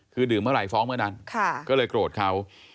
คือดื่มเมื่อไหร่ฟ้องเมื่อนั้นก็เลยโกรธเขา